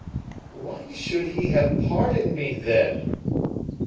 "Why should he have pardoned me, then?"